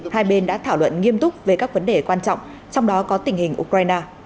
hai bên đã thảo luận nghiêm túc về các vấn đề quan trọng trong đó có tình hình ukraine